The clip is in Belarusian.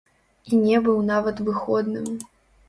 І не быў нават выходным.